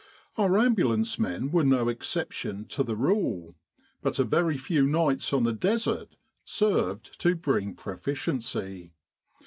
Our ambulance men were no exception to the rule, but a very few nights on the Desert served to bring pro ficiency.